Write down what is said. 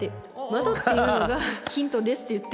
窓っていうのがヒントですって言ってんのにさ